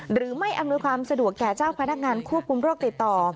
อำนวยความสะดวกแก่เจ้าพนักงานควบคุมโรคติดต่อ